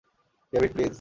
David, please!